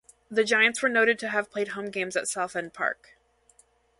The Giants were noted to have played home games at South End Park.